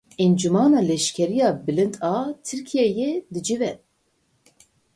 Encûmena Leşkerî ya Bilind a Tirkiyeyê dicive.